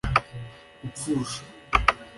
gupfusha